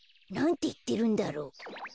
なんていってるんだろう？